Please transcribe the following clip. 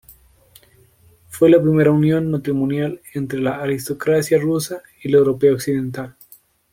Fue la primera unión matrimonial entre la aristocracia rusa y la europea occidental.